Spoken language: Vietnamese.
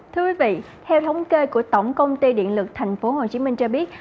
thưa quý vị theo thống kê của tổng công ty điện lực tp hcm cho biết